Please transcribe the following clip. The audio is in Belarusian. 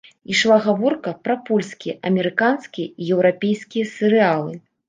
Ішла гаворка пра польскія, амерыканскія і еўрапейскія серыялы.